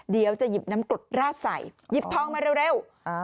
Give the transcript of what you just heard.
เดี๋ยวจะหยิบน้ำกรดราดใส่หยิบทองมาเร็ว